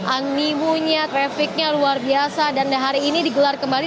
animunya trafficnya luar biasa dan hari ini digelar kembali